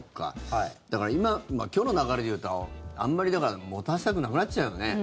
だから今日の流れで言うとあまり持たせたくなくなっちゃうよね。